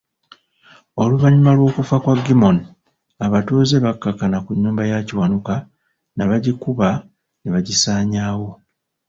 Oluvanyuma lw'okufa kwa Gimmony, abatuuze bakkakkana ku nnyumba ya Kiwanuka nabagikuba nebagisanyaawo.